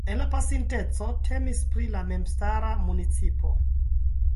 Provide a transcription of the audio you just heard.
En la pasinteco temis pri la memstara municipo.